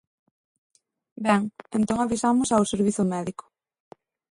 Ben, entón avisamos ao servizo médico.